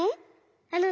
あのね